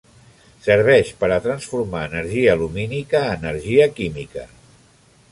Serveix per a transformar energia lumínica a energia química.